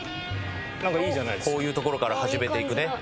こういうところから始めていくね。